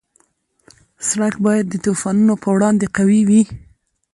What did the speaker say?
سړک باید د طوفانونو په وړاندې قوي وي.